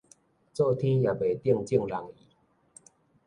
做天也袂中眾人意